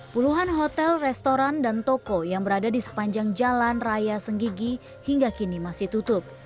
puluhan hotel restoran dan toko yang berada di sepanjang jalan raya senggigi hingga kini masih tutup